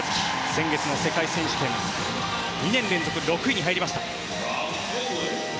先月の世界選手権２年連続６位に入りました。